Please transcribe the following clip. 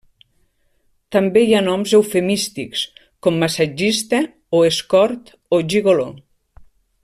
També hi ha noms eufemístics, com massatgista o escort o gigoló.